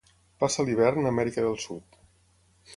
Passa l'hivern a Amèrica del Sud.